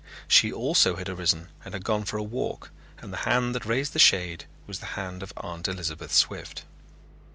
She also had arisen and had gone for a walk and the hand that raised the shade was the hand of Aunt Elizabeth Swift.